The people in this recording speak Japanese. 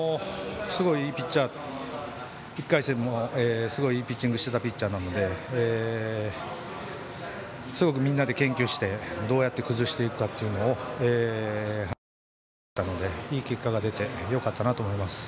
１回戦も、すごいいいピッチングをしていたピッチャーなのですごくみんなで研究してどうやって崩していくかを話し合いながらやっていたのでいい結果が出てよかったなと思います。